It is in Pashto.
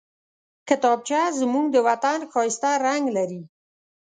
کتابچه زموږ د وطن ښايسته رنګ لري